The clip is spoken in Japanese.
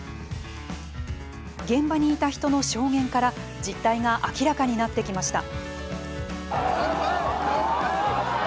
現場にいた人の証言から実態が明らかになってきました。